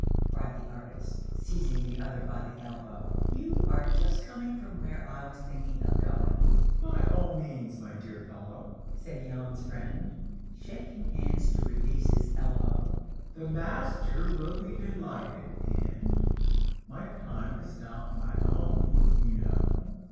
cried the artist, seizing the other by the elbow, "you are just coming from where I was thinking of going." "By all means, my dear fellow," said Jan's friend, shaking hands to release his elbow, "the master will be delighted, and—my time is not my own, you know."